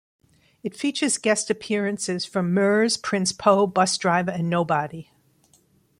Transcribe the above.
It features guest appearances from Murs, Prince Po, Busdriver and Nobody.